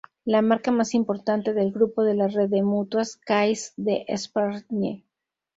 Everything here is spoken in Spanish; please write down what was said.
La marca más importante del grupo de la red de mutuas Caisse d'Epargne.